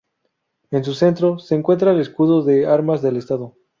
En su centro, se encuentra el escudo de armas del estado.